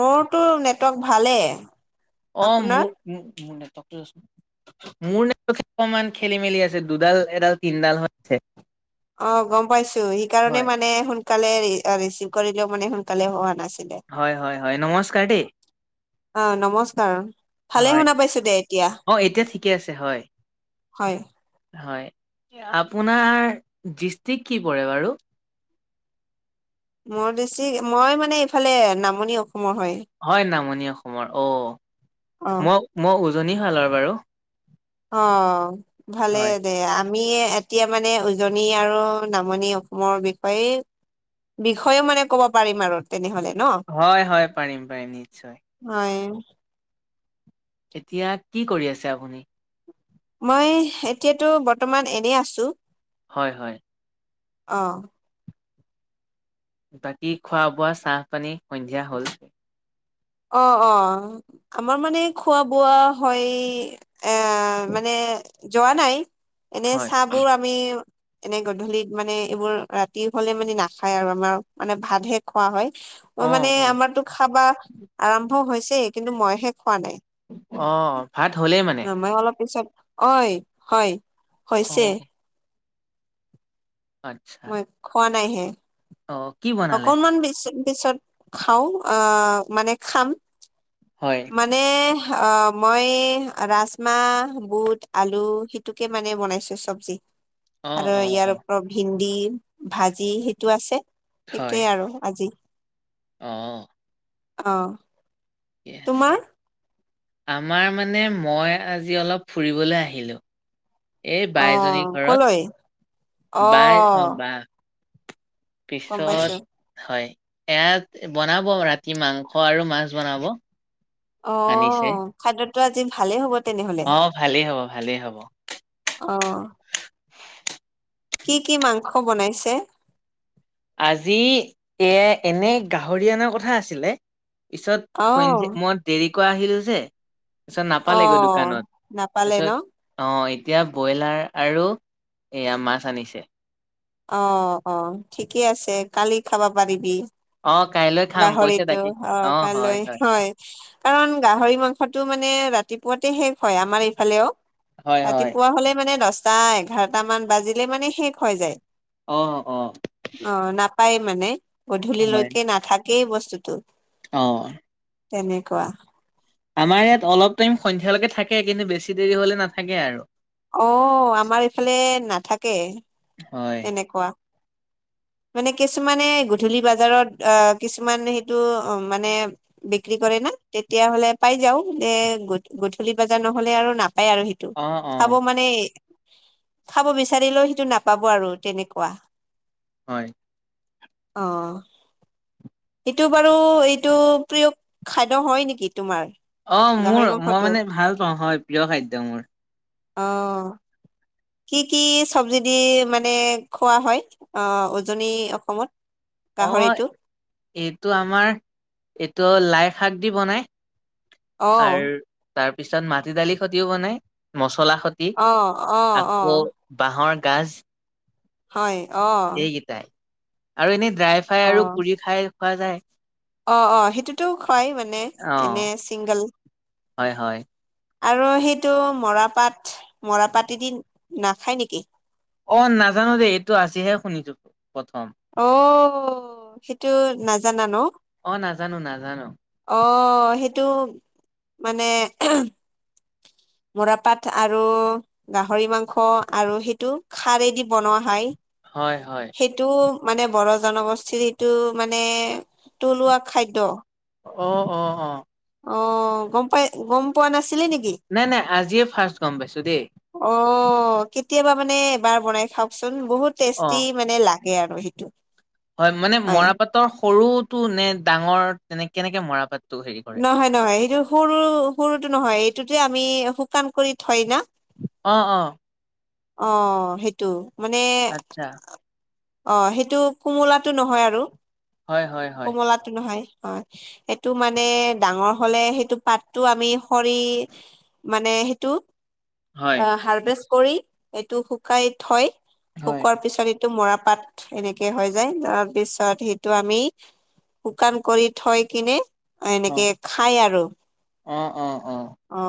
মোৰতো নেটৱৰ্ক ভালেই অ মোৰ মোৰ নেটৱৰ্কটো মোৰ নেট অকমান খেলি মেলি আছে দুডাল এডাল তিনডাল হৈ আছে। অ গম পাইছো সেইকাৰণে হয় মানে সোনকালে ৰি ৰিচিভ কৰিলেও মানে সোনকালে হোৱা নাছিল। হয় হয় হয় নমস্কাৰ দেই অ নমস্কাৰ ভালে হয় শুনা পাইছো দে এতিয়া অ এতিয়া ঠিকে আছে হয় হয় হয় আপোনাৰ ডিষ্ট্ৰিক কি পৰে বাৰু? মোৰ বেছি মই মানে এইফালে নামনি অ হয় নামনি অসমৰ অ অ মই মই উজনি শালৰ বাৰু অ ভালে হয় দে আ আমি এতিয়া মানে উজনি আৰু নামনি অসমৰ বিষয়ে বিষয়েও মানে ক'ব পাৰিম আৰু তেনেহলে। ন হয় হয় পাৰিম পাৰিম নিশ্চয়। [inaudible] এতিয়া কি কৰি আছে আপুনি? মই এতিয়াতো বৰ্তমান এনেই আছো। হয় হয়। অ। বাকী খোৱা- বোৱা চাহপানী সন্ধিয়া হল। অ অ আমাৰ মানে খোৱা বোৱা হয় এ মানে যোৱা নাই এনে হয় চাহ বোৰ আমি এনে গধূলিত মানে এইবোৰ ৰাতি হলে মানে নাখায় আৰু আমাৰ মানে ভাতহে খোৱা হয়। মই অ মানে অ আমাৰতো খাবা আৰম্ভ হৈছেই কিন্তু মই হে খোৱা নাই। অ। ভাত হ'লেই মানে ন মই অলপ পিছত ঐ হয় অ হৈছেই আচ্ছা মই খোৱা নাইহে। অ কি বনালে? তাৰ পিছত খাওঁ আহ মানে খাম হয়, মানে মই ৰাজমাহ বুট আলু সিটোকে মানে বনাইছো চাবজী। অ', আৰু অ', ইয়াৰ অ', ওপৰত ভেন্দি ভাজি সেইটো আছে। হয়, সেইটোৱে আৰু আজি। অ। আহ ঠিকে আছে। তোমাৰ? আমাৰ মানে মই আজি অলপ ফুৰিবলৈ আহিলোঁ। এই অ বাইজনীৰ কলৈ অ ঘৰত বাই অ বা গম পাইছো পিছত হয়। ইয়াত বনাব ৰাতি মাংস আৰু মাছ বনাব। অ আনিছে, খাদ্যতটো আজি ভালেই হ'ব তেনেহলে অ ভালেই হ'ব ভালেই হব। অ। কি কি মাংস বনাইছে? আজি এ এনে গাহৰি অনাৰ কথা আছিলে। অ পিছত সন্ধ্য মই দেৰিক আহিল যে তাৰপিছত অ নাপালেগৈ দোকানত নাপালে ন তাৰপিছত অ, এতিয়া ব্ৰইলাৰ আৰু এয়া মাছ আনিছে অ' অ', ঠিকে আছে কালি খাবা পাৰিবি অ কাইলৈ খাম কৈছে গাহৰিটো তাকে অ', কাইলৈ হয় কাৰণ গাহৰি মাংস মাংসটো মানে ৰাতিপুৱাতে শেষ হয় আমাৰ এইফালেও হয় হয় ৰাতিপুৱা হলে মানে দশ তায় এঘাৰটা মান বাজিলে মানে শেষ হৈ যায় অ' অ', পাই মানে হয় গধূলিলৈকে নাথাকেই বস্তুটো অ', তেনেকুৱা আমাৰ ইয়াত অলপ টাইম সন্ধিয়ালৈকে থাকে কিন্তু বেছি দেৰি হলে নাথাকে আৰু। অ', আমাৰ এইফালে নাথাকে। হয়। তেনেকুৱা। মানে কিছুমানে গধূলি বজাৰত অ, কিছুমান সেইটো অ, মানে বিক্ৰী কৰে তেতিয়াাহলে পাই যাও যে গধূলি বজা নহলে আৰু না পায় আৰু সেইটো অ অ খাব মানে খাব বিচাৰিলেও সেইটো নাপাব আৰু তেনেকুৱা। হয়। অ', সেটো বাৰু এইটো প্ৰিয় খাদ্য হয় নেকি? তোমাৰ? অ' গাহৰি মোৰ মই মাংসটো মানে ভাল পাওঁ হয় প্ৰিয় খাদ্য মোৰ। অ', কি কি চব্জি দি মানে মানে খোৱা হয় অ, উজনি অসমত? অ', গাহৰিটো? এইটো আমাৰ এইটো লাই শাক দি বনাই। অ', তাৰপিছত মাটি দালি খতিও বনাই, মছলা খতি অ', অ', আকৌ অ', বাঁহৰ কাাজ হয়। অ', এইকেইটাই আৰু এনেই ড্ৰাই ফ্ৰাই আৰু অ', পুৰি খাই খোৱা যায়। অ', অ', সেইটোতো হয় মানে অ এনে চিংগল। হয় হয় আৰু সেইটো মৰাপাট মৰাপাট এদি নাখায় নেকি? অ' নাজানো দেই এইটো আজিহে শুনিছো প্ৰথম অ' সেইটো নাজানা ন। অ নাজানো নাজানো। আহ সেইটো মানে মৰাপাট আৰু গাহৰি মাংস আৰু সেইটো খাৰেদি বনোৱা হয়। হয় - হয়। সেইটো মানে বড় জনগোষ্ঠীৰ এইিটো মানে তলুৱা খাদ্য। অ- অ- অ। অ, গম পাই গম পোৱা নাছিলি নেকি নাই নাই আজিয়ে ফাৰ্ষ্ট গম পাইছো দেই অ, মানে এবাৰ বনাই খাওকচোন বহুত অ টেষ্টি মানে লাগে আৰু সেইটো হয় মানে মৰাপাটৰ সৰুটো নে ডাঙৰ তেনে কেনেকে মৰাপাত নহয় - নহয় সেইটো সৰু- সৰুটো নহয় এইটোতে আমি শুকান কৰি থয় না। অ - অ। অ, সেইটো মানে আচ্ছা অ, সেইটো কোমোলাটো নহয় আৰু হয় হয় হয় কমলাতো নহয়। হয় সেইটো মানে ডাঙৰ হলে সেইটো পাতটো আমি সৰি মানে সহেতু হয় অ, হাৰ্ভেচ কৰি এইটো শুকাই থয় হয় শুকোৱাৰ পিছত এইটো মৰা। পাত এনেকে হৈ যায় তাৰ পিছত সেইটো আমি শুকান কৰি থঠয় কিনে অ এনেকে খাই আৰু অ অ অ,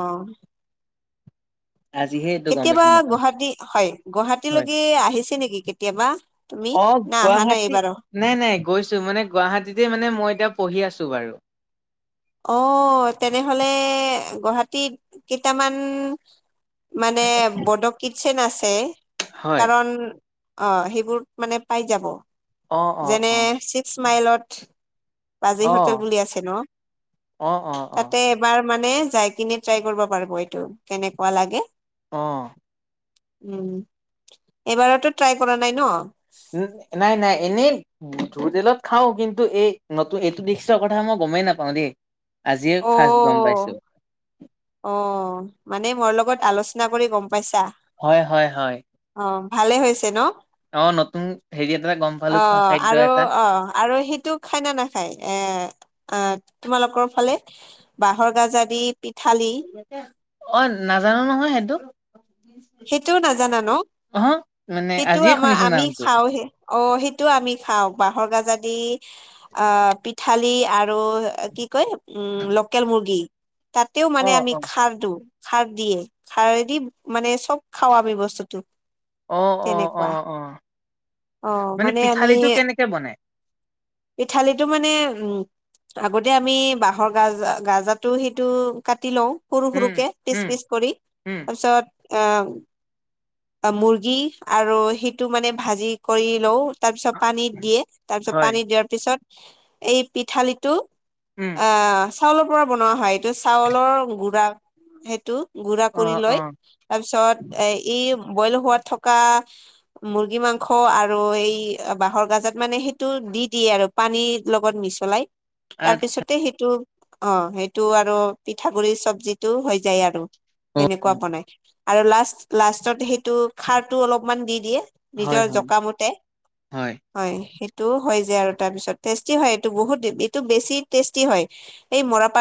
আজিহে এইটো গম কেতিয়াবা পাইছো নতুন গুৱাহাটী হয় হয় গুৱাহাটীলৈকে আহিছে নেকি কেতিয়াবা? তুমি অ, না অহা নাই গুৱাহাটী এইবাৰো নাই- নাই গৈছো মানে গুৱাহাটীতে মানে মই এতিয়া পঢ়ি আছো বাৰু অহ, তেনেহলে গুৱাহাটীত কেইটামান মানে বড কিটচেন আছে হয় কাৰণ অ, সেইবোৰ মানে পাই যাব অ অ যেনে অ ছিক্স মাইলত বাজেই অ হোটেল বুলি আছে ন। অ - অ - অ। তাতে এবাৰ মানে যাই কিনে ট্ৰাই কৰিব পাৰিব এইটো কেনেকুৱা লাগে। অহ ', উম, এবাৰতো ট্ৰাই কৰা নাই ন। উম, নাই - নাই এনেইো তেলত খাও কিন্তু এই নতুন এইটো দৃশৰ কথা মই ক গমেই নাপাও দেই আজিয়ে ফাৰ্ষ্ট গম পাইছো। অ' অ' মানে মোৰ লগত আলোচনা কৰি গম পাইছা। হয় - হয় - হয়। অ, ভালে হৈছে ন। অ, নতুন হেৰি এটা গম পালো অ, খোৱা খাদ্য আৰু এটা - অ, আৰু সেইটো খাই ন নাখায় এ আহ তোমালোকৰ ফালে বাহৰ গাজ আ দি পিঠালি। অ, নাজানো নহয় সেইটো। সেইটোও নাজানা ন। অহ মানে সেইটো আজিয়ে আমাৰ শুনিছো আমি নামটো খাও অ, সেইটোও আমি খাও বাহ। ৰগাজাদ আহ পিঠালি আৰু কি কয় উম, লোকেল মুৰ্গী। তাতেও মানে অ' আমি অ' খাৰ দিও খাৰ দিয়ে খাৰ দি মানে চব খাৱাবি বস্তুটো অ - অ - অ তেনেকুৱা - অ অ মানে পিঠালিটো কেনেকে বনাই। এই থালিতিতো মানে উম, আগতে আমি বাহৰ গাজ - গাজো সেইটো কাটি লও। সৰু - উম সৰুকে পিচ - উম পিচ কৰি উম তাৰ পিছত আহ মুৰ্গী আৰু সেইটো মানে ভাজি কৰি লও। তাৰপিছত পানী দিয়ে তাৰপিছত হয় পানী দিয়াৰ পিছত এই পিঠালিটো উম আহ চাউলৰ পৰা বনোৱা হয় এইটো চাউলৰ গুড়া সেইটো গুৰাা কৰি অ' লয় অ' তাৰ পিছত এ এই বইল হোৱাত থকা মুৰ্গী মাংস আৰু এই বাঁাহৰ গাজত মানে সেইটো দি দিিয়ে আৰু পানীৰ লগত মিছলাই আচ্ছা তাৰপিছতে সেইটো অ সেইটো আৰু পিঠাগুৰিি চব্জিতটো হৈ যায় আৰু অ কেনেকুৱা বনাই আৰু লাষ্ট লাষ্টত সেইটো খাৰটো অলপমান দি দিয়ে হয় নিজৰ হয় জকামুতে হয় সেইটো হয় ব ব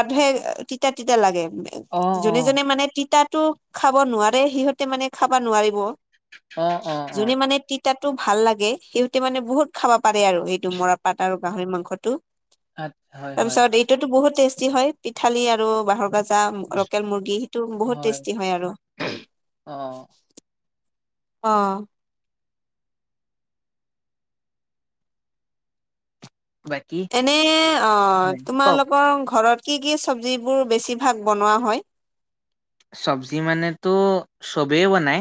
তিয়া লাগে অ' যোনে জোনে মানে তিতাটো খাব নোৱাৰে সিহঁতে মানে খাব নোৱাৰিব অ অ অ তাতো ভাল লাগে সিহতে মানে বহুত খাব পাৰে আৰু সেইটো মৰা পাত আৰু গাহৰি মাংসতটো আচছা হয় হয় টেষ্টি হয় পিঠালি আৰু বাহৰ যা লোকেল মুৰ্গী সেইটো বহুত টেষ্টি হয় আৰু অ অ বাকী এনে অ হয়। কওক তোমালোকৰ ঘৰত কি কি চবজিবোৰ বেছিভাগ বনোৱা হয় চব্জি মানেতো চবেই বনাই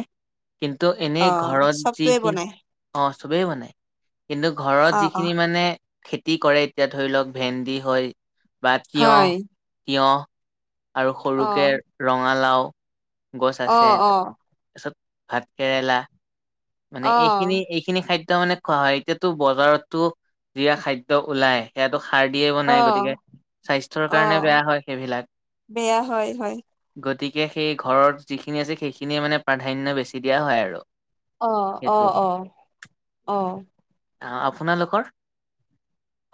কিন্তু অ এনেই ঘৰত চবটোৱে যিখিনি বনাই অ চবেই বনায় কিন্তু ঘৰত অ যিখিনি মানে খেতি কৰে এতিয়া ধৰি লওক ভেন্দি হয় বা তিয়হ হয় তিয়হ আৰু অ সৰুকে ৰঙালাও গছ অ আছে অ তাৰপিছত ভাত কেৰেলা অ মানে এইখিনি এইখিনি খাদ্য তাৰ মানে খোৱা হয় এতিয়াাতো বজাৰতো যিয়া খাদ্য ওলাই সেইয়াাতো সাৰ দিয়ে অ বনাই গতিকে স্বাস্থ্যৰ অ কাৰণে বেয়া হয় সেইবিলাক বেয়া হয় হয় গতিকে সেই ঘৰত যিখিনি আছে সেইখিনিয়ে মানে প্ৰাধান্য বেছি দিয়া হয় আৰু আহ অ সেইটো। অ অ অ আপোনালোকৰ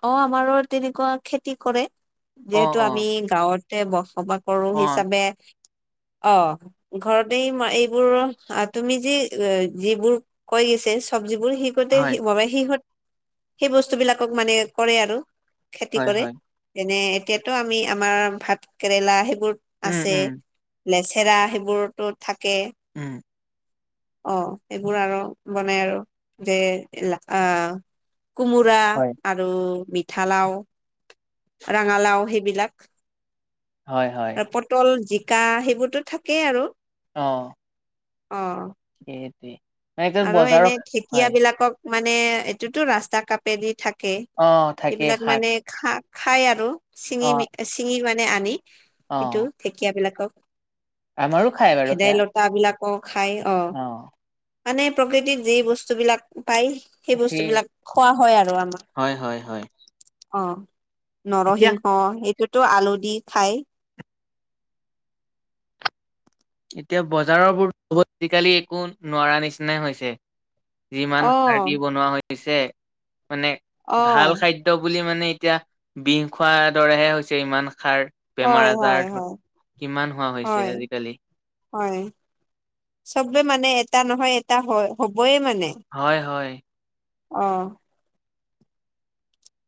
অ আমাৰো তেনেকুৱা খেতি কৰে অ', যিহেতু আমি অ', গাঁৱতে বস কবা কৰো অ', হিচাপে অ ঘৰতে এইবোৰ তুমি যেি যিবোৰ কৈ গৈছ চব্জ বোৰ শিহঁতে হয়, ম সিহঁত সেই বস্তু বিলাকক মানে কৰে আৰু খেতি হয়, কৰে হয়, যেনে এতিয়াতো আমি আমাৰ ভাত কেৰেলা আহেই োৰ উম, আছে উম, নেচেৰা সেইবোৰতো থাকে উম, অ সেইবোৰ আৰু বনাই আৰু যে আহ কোমোৰা হয়, আৰু মিঠ লাও ৰঙালাও সেইবিলাক হয়, হয়, আৰু পটল জিকা সেইবোৰতো থাকেই আৰু আহ অ'। সেইটোৱে মানে এইটো আৰু বজাৰৰ এনে ঢেঁকীয়া হয়, বিলাকক মানে এইটোতো ৰাস্তা কাপেদি থাকে অ', কে থাকে এইবিলাক শাক মানে খাক খাই আৰু চিঙি অ', চিঙি মানে আনি এইটো অ', ঢেঁকীয়াবিলাকক। আমাৰো খাই বাৰু সেয়া। বিলাকো খাই অ', মানে প্ৰকৃতিত যি বস্তু বিলাক পাই সেই বস্তুবিলাক খোৱা হয় আৰু আমাৰ। হয়, হয়, হয়, অ'। এতিয়া নৰসিংহ এইটোতো আলু দি খাই এতিয়া বজাৰবোৰহ আজিকালি একো নোৱাৰা নিচিনাই হৈছে। যিমান সাৰদি অ', বনোৱা হৈছে মানে ভাল অ', খাদ্য বুলি মানে এতিয়া বিষ খোৱাৰ দৰেহে হৈছে ইমান সাৰ হয়, বেমাৰ হয়, আজাৰ ধৰ হয়, কিমান হোৱা হৈছে হয়, আজিকালি। হয় চবে মানে এটা নহয় এটা হ'বইে মানে হয় হয়। অ'।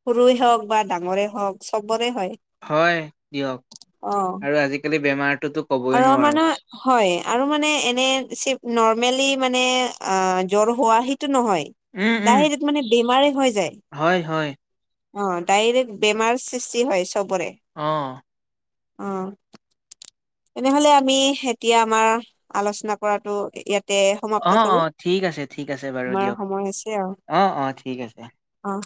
সৰুই হওঁক বা ডাঙৰে হওঁক চবৰে। হয়। হয় দিয়ক অ', আৰু আজিকালি বেমাৰ আৰু মানে হয় আৰু মানে এনে চ ন মেলি মানে অ', জ্বৰ হোৱা নহয় উম উম ডাৰেক্ট মানে বেমাৰেই হৈ যায়। হয় হয় অ' ডাইৰেক্ট বেমাৰ সৃষ্টি হয়। চবৰে। আহ। অ'। তেনেহ'লে আমি এতিয়া আমাৰ আলোচনা কৰাটো ইয়াত তে অ সমাপ্ত অ কৰো ঠিক আছে ঠিক আছে বাৰু তোমাৰ দিয়ক সময় আছে আৰু। অ অ ঠিক আছে অ'।